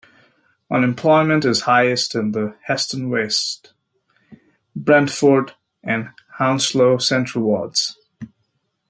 Unemployment is highest in the Heston West, Brentford and Hounslow Central wards.